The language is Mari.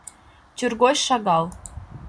Тӱргоч шагал.